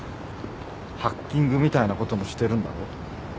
ハッキングみたいなこともしてるんだろ？